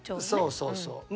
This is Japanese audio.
そうそうそう。